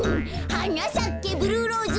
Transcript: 「はなさけブルーローズ」